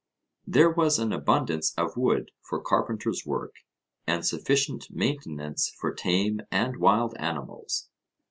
There was an abundance of wood for carpenter's work, and sufficient maintenance for tame and wild animals.